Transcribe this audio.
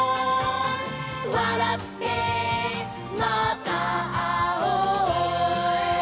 「わらってまたあおう」